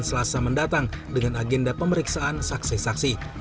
dan selasa mendatang dengan agenda pemeriksaan saksi saksi